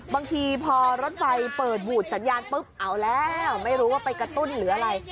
บางทีพอรถไฟเปิดหวูดสัญญาณปุ๊บเอาแล้วไม่รู้ว่าไปกระตุ้นหรืออะไร